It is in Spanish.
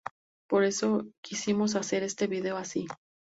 Por eso quisimos hacer este video así.